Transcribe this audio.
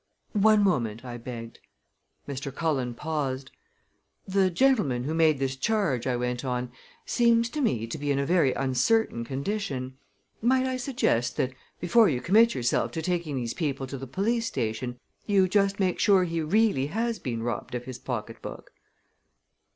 "One moment!" I begged. Mr. Cullen paused. "The gentleman who made this charge," I went on, "seems to me to be in a very uncertain condition. Might I suggest that, before you commit yourself to taking these people to the police station, you just make sure he really has been robbed of his pocketbook?"